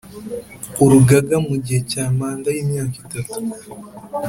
Urugaga mu gihe cya manda y imyaka itatu